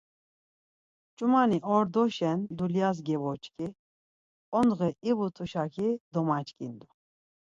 Ç̌umani ordoşen dulyas geboç̌ǩi, ondğe ivet̆uşaki domaç̌ǩindu.